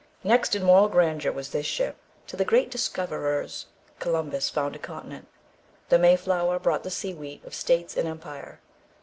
Next in moral grandeur, was this ship, to the great discoverer's: Columbus found a continent; the May flower brought the seedwheat of states and empire.